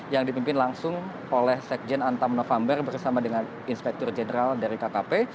yang dipimpin langsung oleh sekjen antam november bersama dengan inspektur jenderal dari kkp